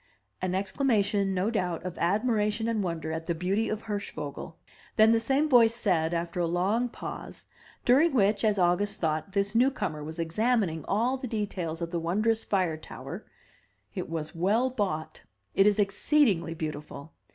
An exclamation no doubt, of admiration and wonder at the beauty of Hirschvogel. Then the same voice said, after a long pause, during which, as August thought, this new comer was examining all the details of the wondrous fire tower, "It was well bought; it is exceedingly beautiful!